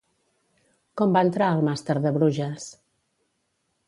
Com va entrar al màster de Bruges?